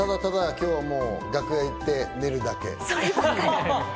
今日も楽屋に行って寝るだけ。